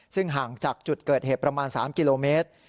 ซึ่งห่างจากจุดเกิดเหตุประมาณ๓กิโลเมตร